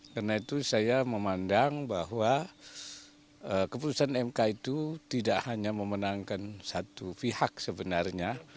karena itu saya memandang bahwa keputusan mk itu tidak hanya memenangkan satu pihak sebenarnya